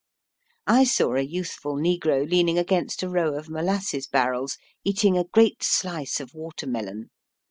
I saw a youthful negro leaning against a row of molasses barrels eating a great sUce of water melon.